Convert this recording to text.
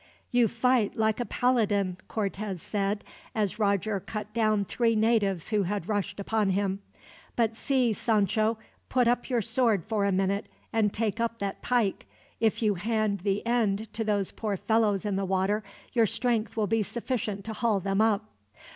"You fight like a paladin," Cortez said, as Roger cut down three natives who had rushed upon him; "but see, Sancho, put up your sword for a minute, and take up that pike. If you hand the end to those poor fellows in the water, your strength will be sufficient to haul them up."